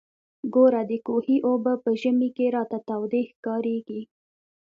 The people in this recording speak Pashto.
ګوره د کوهي اوبه په ژمي کښې راته تودې ښکارېږي.